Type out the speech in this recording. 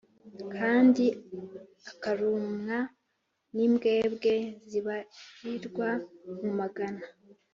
kandi akarumwa n’imbwebwe zibarirwa mu magana